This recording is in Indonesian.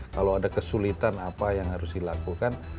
kalau ada kesulitan apa yang harus dilakukan